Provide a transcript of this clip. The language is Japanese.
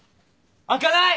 開かない！